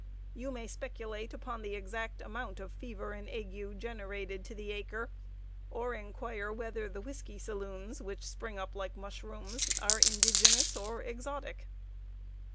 You may speculate upon the exact amount of fever and ague generated to the acre, or inquire whether the whisky saloons, which spring up like mushrooms, are indigenous or exotic.